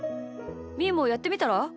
みーも、やってみたら？